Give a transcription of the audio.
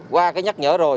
qua cái nhắc nhở rồi